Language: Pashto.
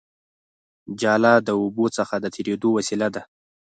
جاله د اوبو څخه د تېرېدو وسیله ده